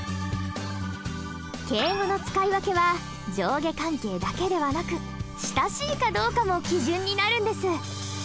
敬語の使い分けは上下関係だけではなく親しいかどうかも基準になるんです。